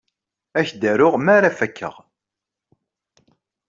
Ad ak-d-aruɣ mi ara fakeɣ.